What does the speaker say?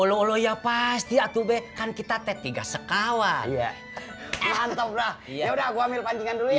oloh ya pasti aku bekan kita tiga sekawah ya